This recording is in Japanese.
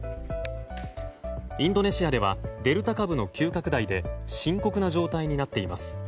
インドネシアではデルタ株の急拡大で深刻な状態になっています。